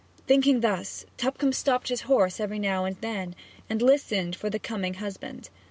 Thinking thus, Tupcombe stopped his horse every now and then, and listened for the coming husband.